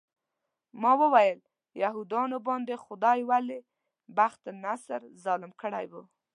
ما وویل یهودانو باندې خدای ولې بخت النصر ظالم کړی و.